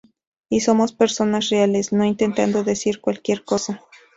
Y somos personas reales no intentando decir cualquier cosa.